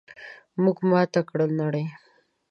موږ ماته کړه نړۍ!